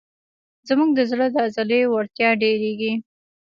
زموږ د زړه د عضلې وړتیا ډېرېږي.